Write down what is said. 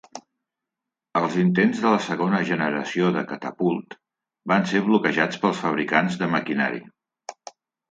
Els intents de la segona generació de Catapult van ser bloquejats pels fabricants de maquinari.